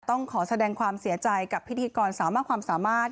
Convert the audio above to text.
ต้องขอแสดงความเสียใจกับพิธีกรสาวมากความสามารถ